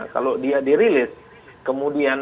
kalau dia dirilis kemudian